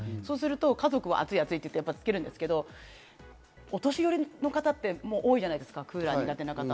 家族は暑いって言ってつけるんですけど、お年寄りの方って多いじゃないですか、クーラー苦手な方。